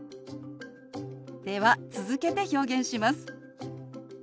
では続けて表現します。